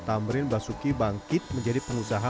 tamrin basuki bangkit menjadi pengusaha